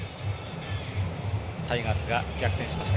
タイガースが逆転しました。